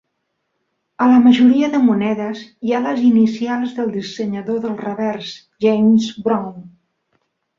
A la majoria de monedes hi ha les inicials del dissenyador del revers, James Brown.